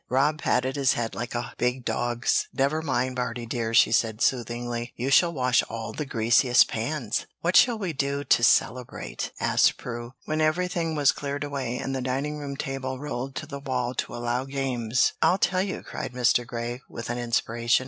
Rob patted his head like a big dog's. "Never mind, Bartie dear," she said, soothingly, "you shall wash all the greasiest pans!" "What shall we do to celebrate?" asked Prue, when everything was cleared away, and the dining room table rolled to the wall to allow games. "I'll tell you," cried Mr. Grey, with an inspiration.